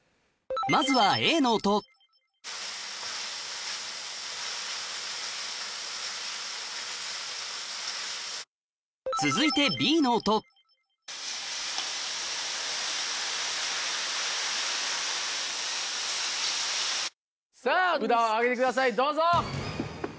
まずはＡの音続いてＢの音さぁ札を上げてくださいどうぞ。